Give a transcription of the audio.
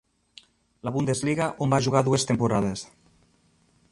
La Bundesliga, on va jugar dues temporades.